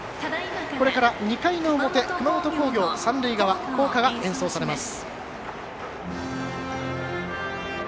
これから２回の表、熊本工業三塁側、校歌が演奏されます。